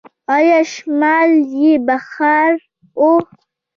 او شمال يې بخارا و.